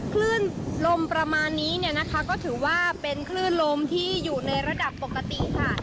คลื่นลมประมาณนี้เนี่ยนะคะก็ถือว่าเป็นคลื่นลมที่อยู่ในระดับปกติค่ะ